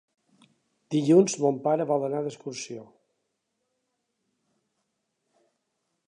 Dilluns mon pare vol anar d'excursió.